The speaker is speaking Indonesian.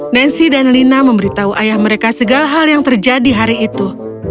nancy dan lina memberitahu ayah mereka segala hal yang terjadi hari itu